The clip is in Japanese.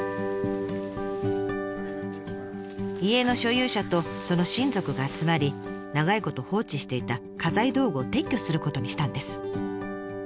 家の所有者とその親族が集まり長いこと放置していた家財道具を撤去することにしたんです。